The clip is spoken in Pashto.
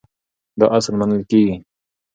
دا اصل منل کېږي.